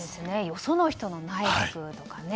よその人の内閣とかね。